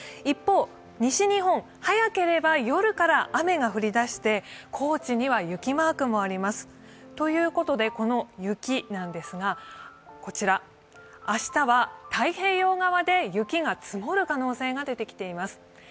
一方、西日本、早ければ夜から雨が降り出して高知には雪マークもあります。ということでこの雪なんですが、明日は太平洋側で雪が積もる可能性が出てきています。